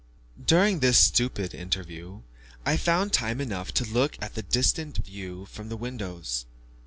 During this stupid interview, I found time enough to look at the distant view from the windows.